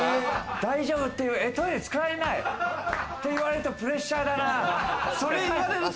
トイレ使えないって言われると、プレッシャーだな。